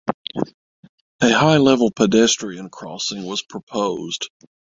A high level pedestrian crossing was proposed.